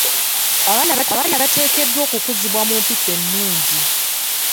Abaana bateekeddwa okukuzibwa mu mpisa ennungi.